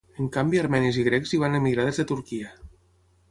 En canvi armenis i grecs hi van emigrar des de Turquia.